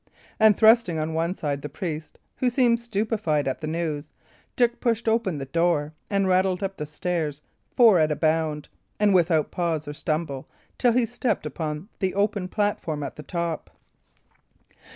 And thrusting on one side the priest, who seemed stupefied at the news, Dick pushed open the door and rattled up the stairs four at a bound, and without pause or stumble, till he stepped upon the open platform at the top.